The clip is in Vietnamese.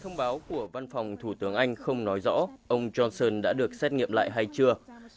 thông báo của văn phòng thủ tướng anh không nói rõ ông johnson đã được xét nghiệm lại hay chưa